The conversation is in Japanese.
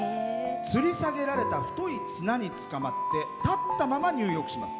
つり下げられた綱につかまって立ったまま入浴します。